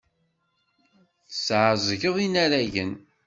Tesɛeẓgeḍ inaragen.